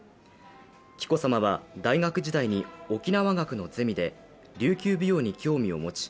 紀子さまは、大学時代に沖縄学のゼミで琉球舞踊に興味を持ち